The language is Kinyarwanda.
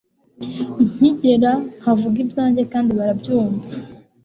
Nkigera nkavuga ibyanjye kandi barabyunva